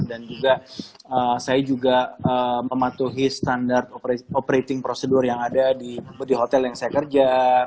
dan juga saya juga mematuhi standard operating procedure yang ada di hotel yang saya kerja